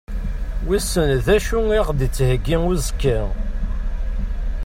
Wissen d acu i aɣ-d-yettheggi uzekka?